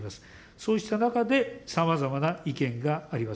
そうした中で、さまざまな意見があります。